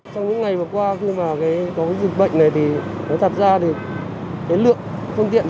trong những ngày vừa qua khi mà có dịch bệnh này thì thật ra lượng phân tiện